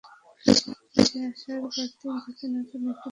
দেশে আসার পরদিন থেকেই নতুন একটি বিজ্ঞাপনচিত্রের শুটিংয়ে অংশ নিয়েছেন তিনি।